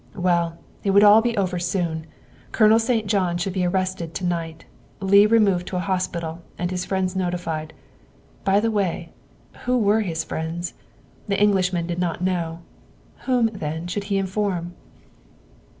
Well, it would all be over soon. Colonel St. John should be arrested to night, Leigh removed to a hospital, and his friends notified. By the way, who were his friends? The Englishman did not know. Whom, then, should he inform?